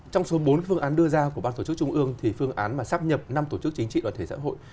trong số bốn phương án đưa ra của ban tổ chức trung ương thì phương án mà sắp nhập năm tổ chức chính trị đoàn thể xã hội